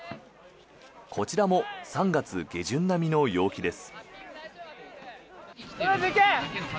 こちらも３月下旬並みの陽気です。